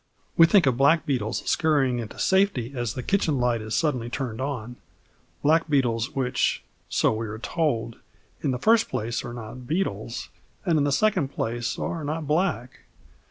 We think of blackbeetles scurrying into safety as the kitchen light is suddenly turned on blackbeetles which (so we are told) in the first place are not beetles, and in the second place are not black.